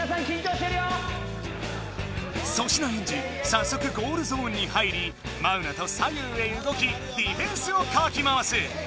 さっそくゴールゾーンに入りマウナと左右へうごきディフェンスをかき回す！